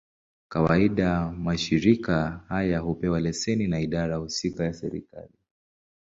Kawaida, mashirika haya hupewa leseni na idara husika ya serikali.